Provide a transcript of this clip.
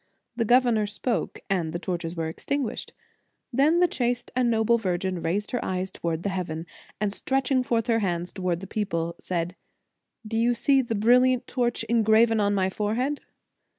The governor spoke, and the torches were extinguished. Then the chaste and noble virgin raised her eyes towards heaven, and stretching forth her hands to wards the people, said: "Do you see the brilliant torch engraven on my forehead